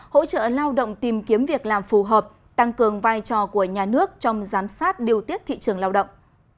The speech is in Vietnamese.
hỗ trợ lao động tìm kiếm việc làm phù hợp tăng cường vai trò của nhà nước trong giám sát điều tiết thị trường lao động